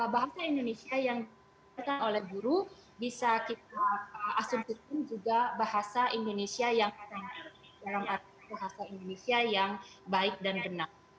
bahasa indonesia yang diperlukan oleh guru bisa kita asumsi juga bahasa indonesia yang baik dan benar